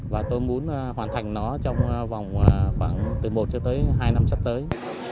và tôi muốn hoàn thành nó trong vòng khoảng từ một cho tới hai năm sắp tới